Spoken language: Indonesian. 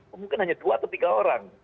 kemungkinan hanya dua atau tiga orang